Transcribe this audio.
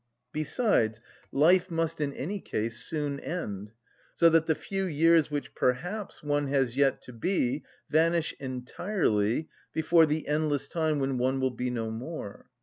Besides, life must in any case soon end; so that the few years which perhaps one has yet to be vanish entirely before the endless time when one will be no more.